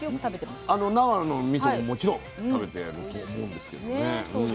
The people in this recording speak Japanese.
あの長野のみそももちろん食べてると思うんですけどね。